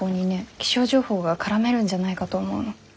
気象情報が絡めるんじゃないかと思うの。